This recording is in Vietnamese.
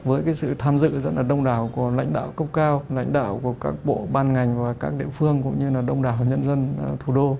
với cái sự tham dự rất là đông đảo của lãnh đạo cấp cao lãnh đạo của các bộ ban ngành và các địa phương cũng như là đông đảo nhân dân thủ đô